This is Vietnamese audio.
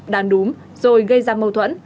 đàn đúm rồi gây ra mâu thuẫn